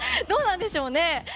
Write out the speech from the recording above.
どうなんでしょうね。